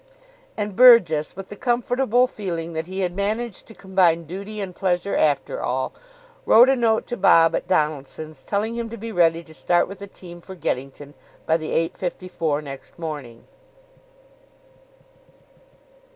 And Burgess, with the comfortable feeling that he had managed to combine duty and pleasure after all, wrote a note to Bob at Donaldson's, telling him to be ready to start with the team for Geddington by the 8.54 next morning.